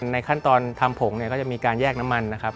ในขั้นตอนทำผงเนี่ยก็จะมีการแยกน้ำมันนะครับ